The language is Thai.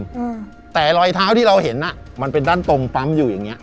อืมแต่รอยเท้าที่เราเห็นอ่ะมันเป็นด้านตรงปั๊มอยู่อย่างเงี้